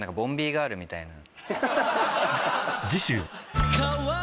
みたいな。